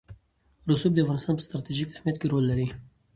رسوب د افغانستان په ستراتیژیک اهمیت کې رول لري.